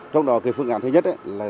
trong đó phương án thứ nhất là